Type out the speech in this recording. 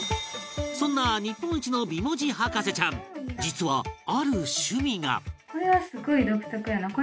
そんな日本一の美文字博士ちゃん実はある趣味が